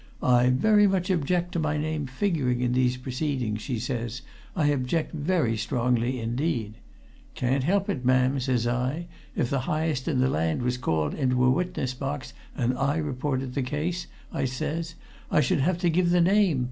'I very much object to my name figuring in these proceedings,' she says. 'I object very strongly indeed!' 'Can't help it, ma'am,' says I. 'If the highest in the land was called into a witness box, and I reported the case,' I says, 'I should have to give the name!